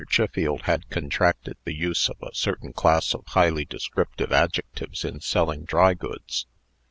Chiffield had contracted the use of a certain class of highly descriptive adjectives in selling dry goods.